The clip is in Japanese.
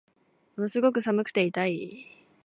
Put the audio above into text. ものすごく寒くて痛い